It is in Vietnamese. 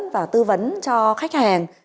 và tư vấn cho khách hàng